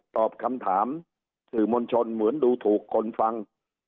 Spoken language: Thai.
ตอบคำถามสื่อมวลชนเหมือนดูถูกคนฟัง